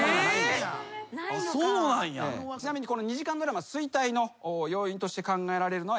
ちなみに２時間ドラマ衰退の要因として考えられるのはやはり。